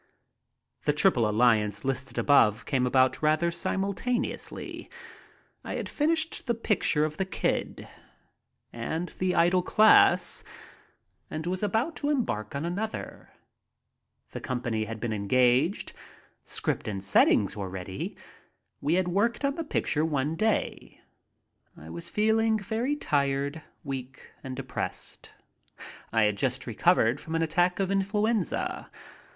The triple alliance listed above came about rather simul taneously. I had finished the picture of "The Kid" and 2 MY TRIP ABROAD "The Idle Class" and was about to embark on another. The company had been engaged. Script and settings were ready. We had worked on the picture one day. I was feeling very tired, weak, and depressed. I had just recovered from an attack of influenza.